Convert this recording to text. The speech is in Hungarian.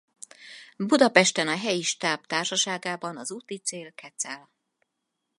Budapesten a helyi stáb társaságában az úticél Kecel.